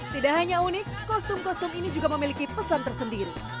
tidak hanya unik kostum kostum ini juga memiliki pesan tersendiri